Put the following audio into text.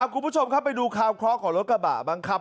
คุณผู้ชมครับไปดูคลาวคลอคของรถกระบะบังคับ